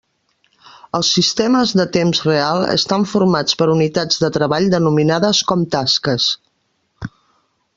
Els sistemes de temps real estan formats per unitats de treball denominades com tasques.